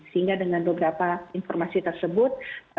sehingga dengan beberapa informasi tersebut